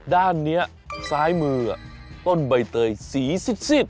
ด้านนี้ซ้ายมือต้นใบเตยสีซิด